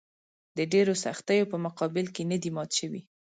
د ډېرو سختیو په مقابل کې نه دي مات شوي.